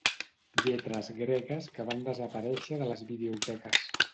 Lletres gregues que van desaparèixer de les videoteques.